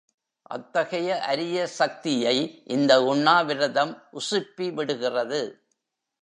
அத்தகைய அரிய சக்தியை இந்த உண்ணா விரதம் உசுப்பிவிடுகிறது.